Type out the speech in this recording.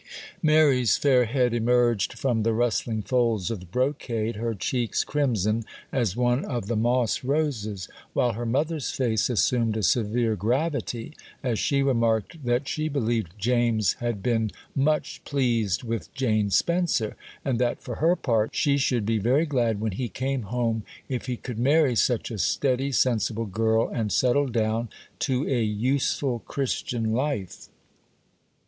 Mary's fair head emerged from the rustling folds of the brocade, her cheeks crimson as one of the moss roses,—while her mother's face assumed a severe gravity, as she remarked that she believed James had been much pleased with Jane Spencer, and that, for her part, she should be very glad when he came home, if he could marry such a steady, sensible girl, and settle down to a useful, Christian life.